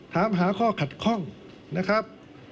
ถามหาข้อขัดข้องนะครับ